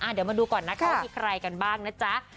เดี๋ยวมาดูก่อนนะคะว่ามีใครกันบ้างนะจ๊ะ